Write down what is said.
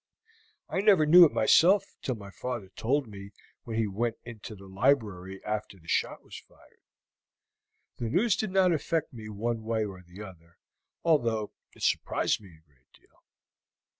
I never knew it myself till my father told me when we went into the library after the shot was fired. The news did not affect me one way or the other, although it surprised me a great deal.